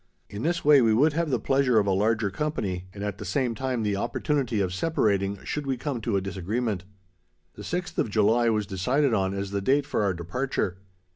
In this way we would have the pleasure of a larger company, and at the same time the opportunity of separating, should we come to a disagreement. The sixth of July was decided on as the date for our departure.